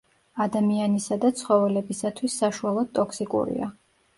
ადამიანისა და ცხოველებისათვის საშუალოდ ტოქსიკურია.